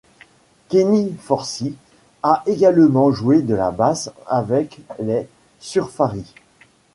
Kenny Forssi a également joué de la basse avec les Surfaris.